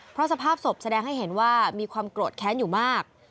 เพราะสภาพศพแสดงให้เห็นว่ามีความโกรธแค้นอยู่มาก